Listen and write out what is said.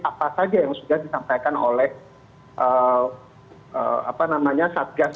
apa saja yang sudah disampaikan oleh satgas